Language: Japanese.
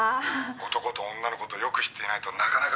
男と女のことよく知っていないとなかなか書けない。